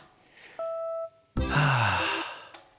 はあ。